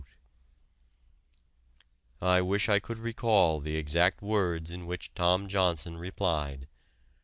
I wish I could recall the exact words in which Tom Johnson replied.